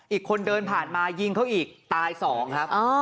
อีกคนเดินผ่านมายิงเขาอีกตายสองครับ